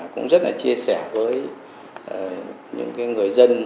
cũng rất là chia sẻ với những người dân